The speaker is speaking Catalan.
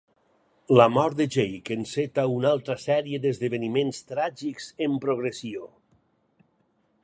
La mort de Jake enceta una altra sèrie d'esdeveniments tràgics en progressió.